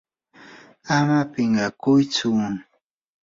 ama pinqakuytsu.